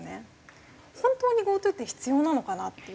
本当にＧｏＴｏって必要なのかなって。